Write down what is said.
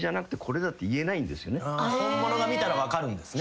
本物が見たら分かるんですね。